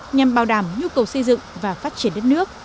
nhằm bảo đảm nhu cầu xây dựng và phát triển đất nước